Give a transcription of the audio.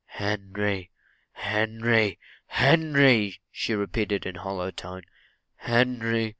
"Henry, Henry, Henry!" she repeated in a hollow tone "Henry!